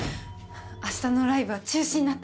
明日のライブは中止になったわ。